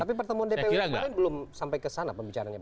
tapi pertemuan dpw kemarin belum sampai ke sana pembicaraannya